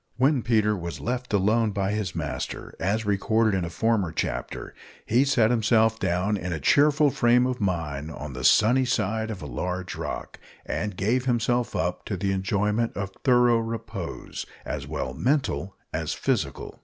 When Peter was left alone by his master, as recorded in a former chapter, he sat himself down in a cheerful frame of mind on the sunny side of a large rock, and gave himself up to the enjoyment of thorough repose, as well mental as physical.